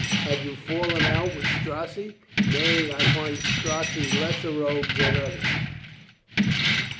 Had you fallen out with Strozzi?" "Nay, I find Strozzi less a rogue than others."